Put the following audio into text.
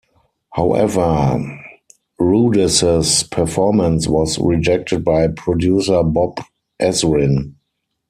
However, Rudess's performance was rejected by producer Bob Ezrin.